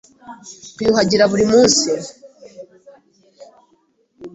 Twiyuhagira buri munsi.